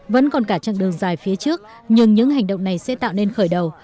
vẫn còn cả chặng đường dài phía trước nhưng những hành động này sẽ tạo nên khởi đầu